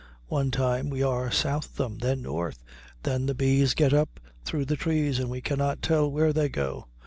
One time we are south of them, then north, then the bees get up through the trees and we cannot tell where they go.